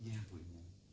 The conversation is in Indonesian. ya ibu ibu